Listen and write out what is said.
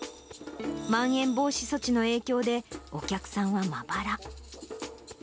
まん延防止措置の影響で、お客さんはまばら。